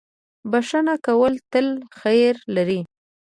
• بښنه کول تل خیر لري.